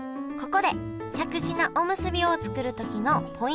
ここでしゃくし菜おむすびを作る時のポイントをご紹介！